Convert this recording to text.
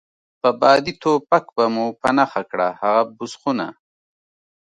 په بادي ټوپک به مو په نښه کړه، هغه بوس خونه.